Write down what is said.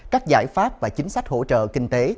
các giải pháp và chính sách hỗ trợ kinh tế